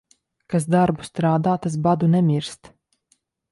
Kas darbu strādā, tas badu nemirst.